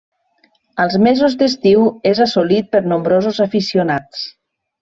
Als mesos d'estiu és assolit per nombrosos aficionats.